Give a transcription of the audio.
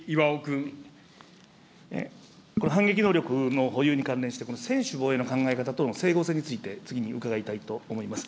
反撃能力の保有に関連して、この専守防衛の考え方との整合性について、次に伺いたいと思います。